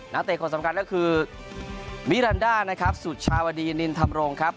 เตะคนสำคัญก็คือมิรันดานะครับสุชาวดีนินธรรมรงครับ